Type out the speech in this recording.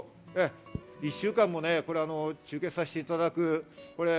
１週間も中継させていただく。